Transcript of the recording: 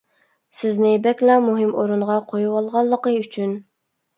سىزنى بەكلا مۇھىم ئورۇنغا قويۇۋالغانلىقى ئۈچۈن!